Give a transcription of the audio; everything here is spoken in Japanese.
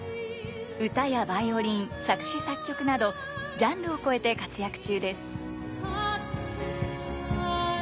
歌やバイオリン作詞作曲などジャンルを超えて活躍中です。